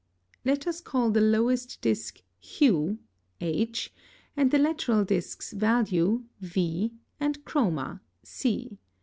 Let us call the lowest disc Hue (H), and the lateral discs Value (V) and Chroma (C).